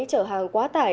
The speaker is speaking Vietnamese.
chở hàng quá tải